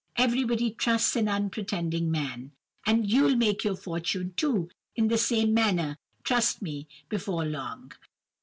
Everybody trusts an unpretending man. And you'll make your fortune too in the same manner, trust me, before long.